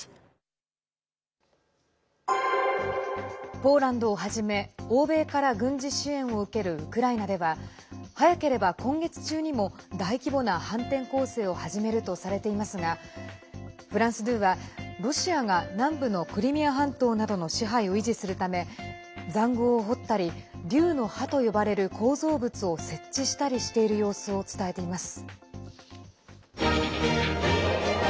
ポーランドをはじめ欧米から軍事支援を受けるウクライナでは早ければ今月中にも大規模な反転攻勢を始めるとされていますがフランス２はロシアが南部のクリミア半島などの支配を維持するためざんごうを掘ったり竜の歯と呼ばれる構造物を設置したりしている様子を伝えています。